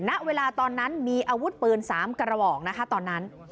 ณเวลาตอนนั้นมีอาวุธปืน๓กระบอกนะคะตอนนั้น